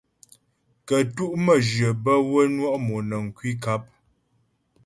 Kə́tu' məjyə bə́ wə́ nwɔ' mɔnəŋ kwi nkap.